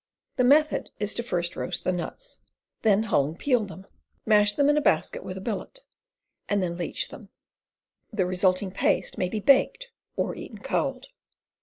The method is to first roast the nuts, then hull and peel them, mash them in a basket with a billet, and then leach them. The resulting paste may be baked, or eaten cold.